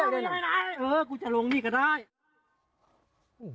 ไม่ได้เออกูจะลงนี่ก็ได้